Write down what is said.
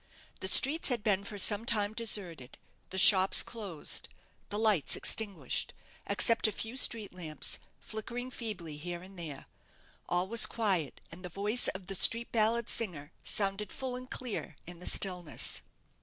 The streets had been for some time deserted, the shops closed, the lights extinguished, except a few street lamps, flickering feebly here and there. All was quiet, and the voice of the street ballad singer sounded full and clear in the stillness.